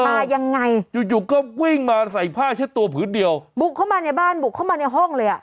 มายังไงอยู่อยู่ก็วิ่งมาใส่ผ้าเช็ดตัวพื้นเดียวบุกเข้ามาในบ้านบุกเข้ามาในห้องเลยอ่ะ